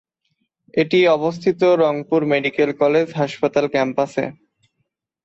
এটি অবস্থিত Rangpur medical college হাসপাতাল ক্যাম্পাসে।